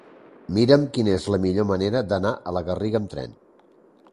Mira'm quina és la millor manera d'anar a la Garriga amb tren.